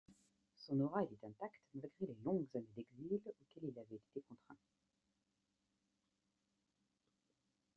Son aura était intacte, malgré les longues années d’exil auquel il avait été contraint.